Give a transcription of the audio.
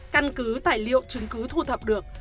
căn cứ tài liệu chứng cứ thu thập được